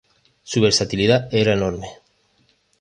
Su versatilidad era enorme.